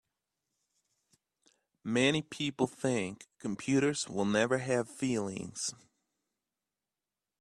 Many people think computers will never have feelings.